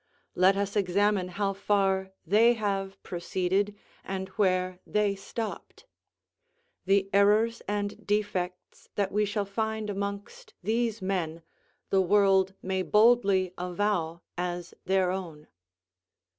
Let us examine how far they have proceeded, and where they stopped. The errors and defects that we shall find amongst these men the world may boldly avow as their own.